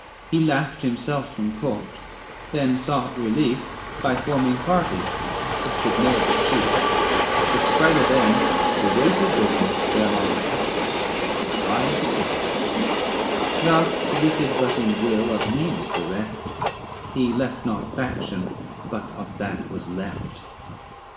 He laughed himself from Court ; then sought relief By forming parties, but could ne'er be chief: For spite of him, the weight of business fell 565 On Absalom and wise Achitophel ; Thus wicked but in will, of means bereft, He left not faction, but of that was left.